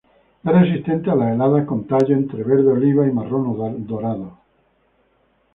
Es resistente a las heladas con tallos entre verde oliva y marrón dorado.